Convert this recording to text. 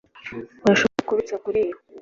urashobora kubitsa kuriyo